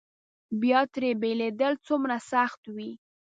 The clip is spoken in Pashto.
بیا ترې بېلېدل څومره سخت وي.